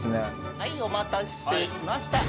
はいお待たせしました。